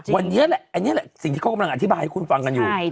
วันนี้แหละอันนี้แหละสิ่งที่เขากำลังอธิบายให้คุณฟังกันอยู่